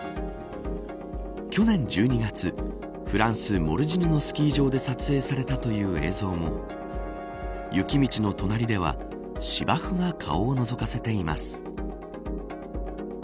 去年１２月フランス、モルジヌのスキー場で撮影されたという映像も雪道の隣では芝生が顔をのぞかせています。